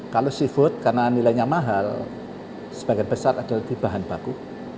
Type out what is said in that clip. kalau seafood karena nilainya mahal sebagian besar adalah di bahan baku